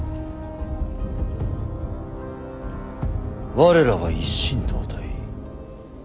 我らは一心同体。